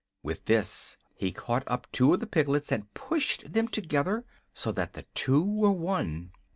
With this he caught up two of the piglets and pushed them together, so that the two were one.